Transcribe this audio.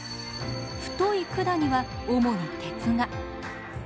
太い管には主に鉄が。